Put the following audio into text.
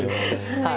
はい。